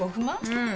うん。